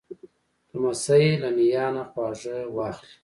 لمسی له نیا نه خواږه واخلې.